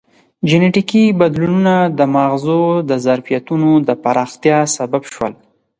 جینټیکي بدلونونه د مغزو د ظرفیتونو د پراختیا سبب شول.